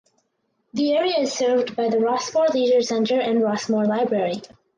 The area is served by the Rossmore Leisure Centre and Rossmore Library.